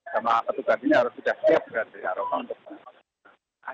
jamaah petugas ini harus sudah siap berada di arofa untuk penyelesaian